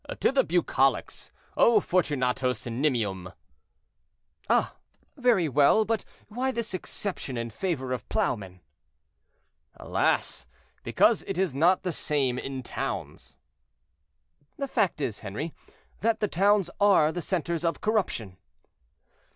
"To the Bucolics. 'O fortunatos nimium!'" "Ah! very well; but why this exception in favor of plowmen?" "Alas! because it is not the same in towns." "The fact is, Henri, that the towns are the centers of corruption."